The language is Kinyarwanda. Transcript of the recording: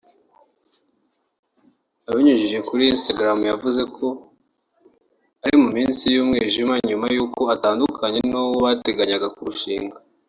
Abinyujije kuri Instagram yavuze ko ari mu minsi y’umwijima nyuma y’uko atandukanye n’uwo bateganyaga kurushinga